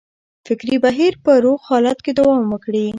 فکري بهیر په روغ حالت کې دوام وکړي.